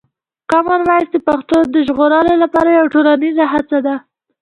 کامن وایس د پښتو د ژغورلو لپاره یوه ټولنیزه هڅه ده.